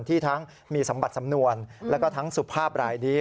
ที่ทั้งมีสัมผัสสำนวนแล้วก็ทั้งสุภาพรายนี้